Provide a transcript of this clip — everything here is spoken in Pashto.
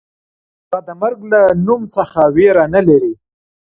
هغه د مرګ له نوم څخه وېره نه لري.